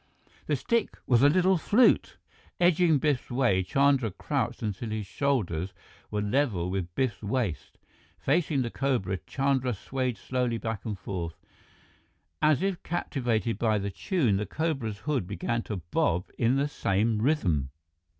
The stick was a little flute! Edging Biff's way, Chandra crouched until his shoulders were level with Biff's waist. Facing the cobra, Chandra swayed slowly back and forth. As if captivated by the tune, the cobra's hood began to bob in the same rhythm!